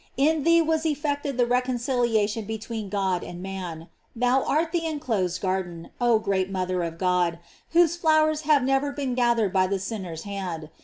In thee was effected the reconciliation be tween God and man. Thou art the enclosed garden, oh great mother of God, whose flowers have never been gathered by the sinner's hand.